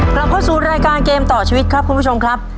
กลับเข้าสู่รายการเกมต่อชีวิตครับคุณผู้ชมครับ